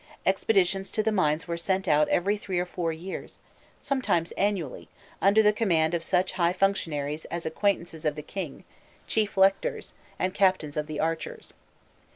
Expeditions to the mines were sent out every three or four years, sometimes annually, under the command of such high functionaries as "Acquaintances of the King," "Chief Lectors," and Captains of the Archers.